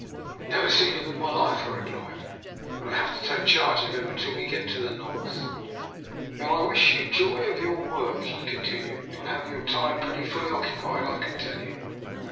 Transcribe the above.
"" I have never seen him in my life," I re plied, " but I have to take charge of him until we get to the North." " Then I wish you joy of your work," he continued. " You'll have your time pretty fully occupied, I can tell you."